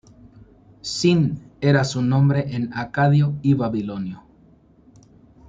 Sin era su nombre en acadio y babilonio.